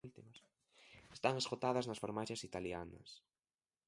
Están esgotadas nas farmacias italianas.